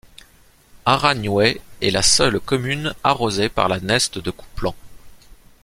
Aragnouet est la seule commune arrosée par la Neste de Couplan.